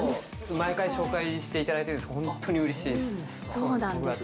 毎回紹介していただいてるんそうなんです。